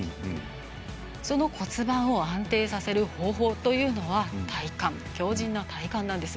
その骨盤を安定させる方法というのは強じんな体幹なんです。